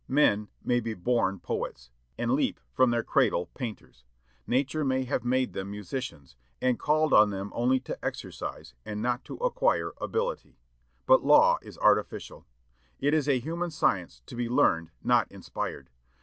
Men may be born poets, and leap from their cradle painters. Nature may have made them musicians, and called on them only to exercise, and not to acquire, ability; but law is artificial. It is a human science, to be learned, not inspired.